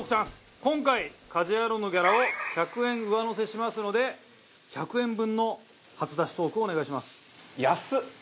今回『家事ヤロウ！！！』のギャラを１００円上乗せしますので１００円分の初出しトークをお願いします。